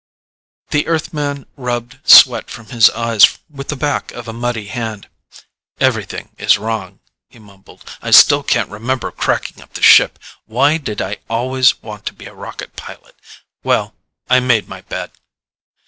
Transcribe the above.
The Earthman rubbed sweat from his eyes with the back of a muddy hand. "Everything is wrong," he mumbled. "I still can't remember cracking up the ship. Why did I always want to be a rocket pilot? Well ... I made my bed!"